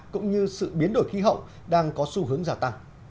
cũng như sự biến đổi khí hậu đang có xu hướng gia tăng